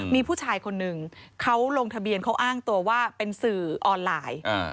มีผู้ชายคนหนึ่งเขาลงทะเบียนเขาอ้างตัวว่าเป็นสื่อออนไลน์